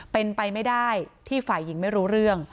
เป็นไปไม่ได้ที่ฝ่ายหญิงไม่รู้เรื่อง